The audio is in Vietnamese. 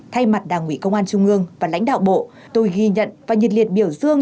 thay mặt đảng ủy công an trung ương và lãnh đạo bộ tôi ghi nhận và nhiệt liệt biểu dương